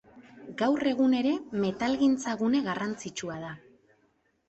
Gaur egun ere metalgintza-gune garrantzitsua da.